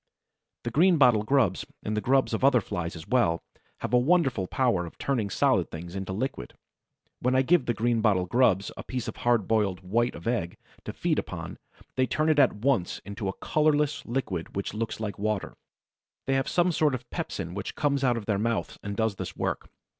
The Greenbottle grubs, and the grubs of other Flies as well, have a wonderful power of turning solid things into liquid. When I give the Greenbottle grubs a piece of hard boiled white of egg to feed upon, they turn it at once into a colorless liquid which looks like water. They have some sort of pepsin which comes out of their mouths and does this work.